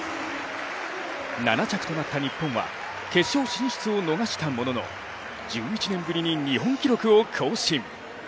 ７着となった日本は決勝進出を逃したものの１１年ぶりに日本記録を更新。